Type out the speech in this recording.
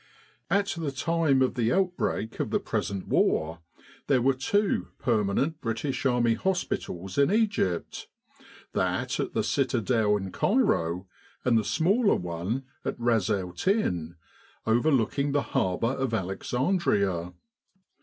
At the time of the outbreak of the present war, there were two permanent British Army hospitals in Egypt that at the Citadel in Cairo, and the smaller one at Ras el Tin, overlooking the harbour of Alex andria.